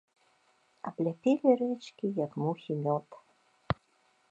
Абляпілі рэчкі, як мухі мёд.